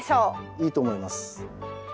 いいと思います。